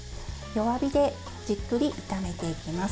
弱火でじっくり炒めていきます。